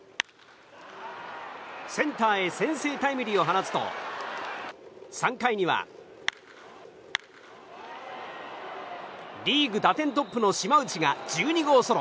センターへ先制タイムリーを放つと３回にはリーグ打点トップの島内が１２号ソロ。